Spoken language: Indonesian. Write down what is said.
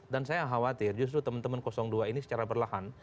dan saya khawatir justru teman teman dua ini secara berlahan